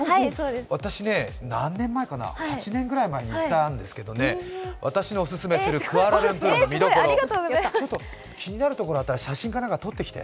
私ね、何年前かな、８年くらい前に行ったんですが、私のオススメするクアラルンプールの見どころ、ちょっと気になるところあったら写真かなんか撮ってきて。